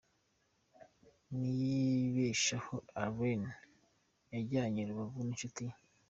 Niyibeshaho Alain yajyanye i Rubavu n'inshuti ye.